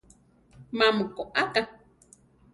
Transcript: Má mu koáka?